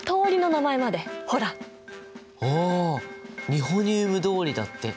ニホニウム通りだって。